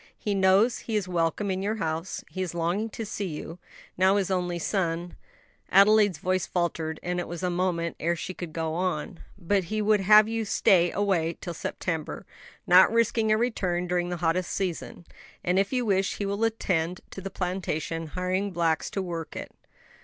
He knows he is welcome in your house; he is longing to see you, now his only son " Adelaide's voice faltered, and it was a moment ere she could go on "but he would have you stay away till September, not risking a return during the hottest season; and, if you wish, he will attend to the plantation, hiring blacks to work it."